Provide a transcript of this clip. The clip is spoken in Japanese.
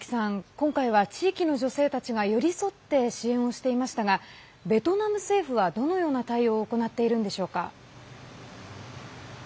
今回は、地域の女性たちが寄り添って支援をしていましたがベトナム政府はどのような対応を行っているのでしょうか？